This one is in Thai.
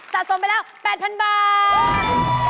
สะสมไปแล้ว๘๐๐๐บาท